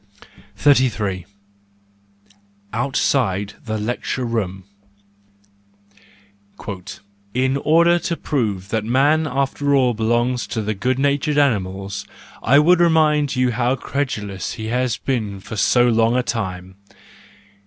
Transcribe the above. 33 Outside the Lecture room .—" In order to prove that man after all belongs to the good natured animals, I would remind you how credulous he has been for so long a time.